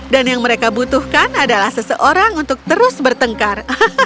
dan yang mereka butuhkan adalah seseorang untuk terus bertengkar